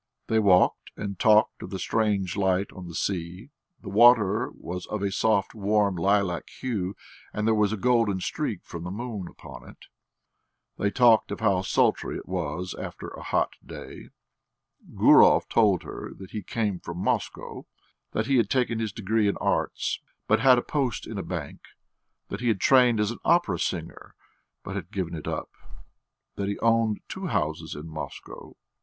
They walked and talked of the strange light on the sea: the water was of a soft warm lilac hue, and there was a golden streak from the moon upon it. They talked of how sultry it was after a hot day. Gurov told her that he came from Moscow, that he had taken his degree in Arts, but had a post in a bank; that he had trained as an opera singer, but had given it up, that he owned two houses in Moscow....